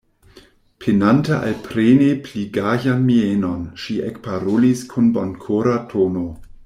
Penante alpreni pli gajan mienon, ŝi ekparolis kun bonkora tono: